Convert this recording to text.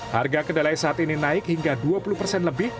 harga kedelai saat ini naik hingga dua puluh persen lebih